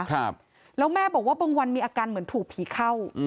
ครับแล้วแม่บอกว่าบางวันมีอาการเหมือนถูกผีเข้าอืม